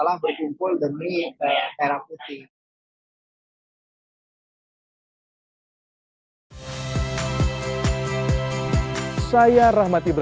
lebih cepat para pemain